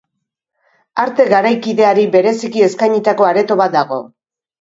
Arte garaikideari bereziki eskainitako areto bat dago.